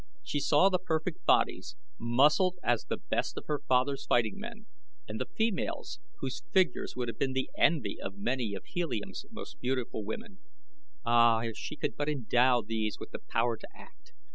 She saw the perfect bodies, muscled as the best of her father's fighting men, and the females whose figures would have been the envy of many of Helium's most beautiful women. Ah, if she could but endow these with the power to act!